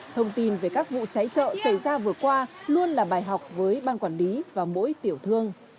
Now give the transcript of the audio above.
thông tin về các vụ cháy chợ xảy ra vừa qua luôn là bài học với ban quản lý và mỗi tiểu thương